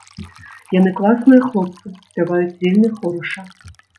Яны класныя хлопцы, спяваюць вельмі хораша.